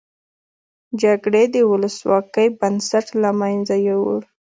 جګړې د ولسواکۍ بنسټ له مینځه یوړ.